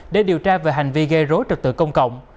để điều tra về hành vi gây rối trật tự công cộng